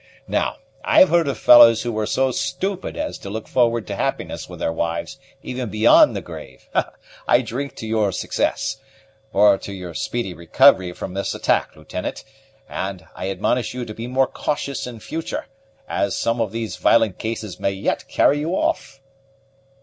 Now, I've heard of fellows who were so stupid as to look forward to happiness with their wives even beyond the grave. I drink to your success, or to your speedy recovery from this attack, Lieutenant; and I admonish you to be more cautious in future, as some of these violent cases may yet carry you off."